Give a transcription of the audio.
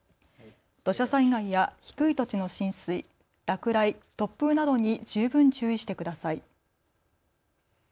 土砂災害や低い土地の浸水、落雷、突風などに十分注意してください。